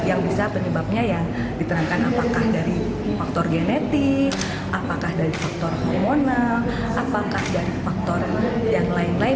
yang bisa penyebabnya yang diterangkan apakah dari faktor genetik apakah dari faktor hormonal apakah dari faktor yang lain lain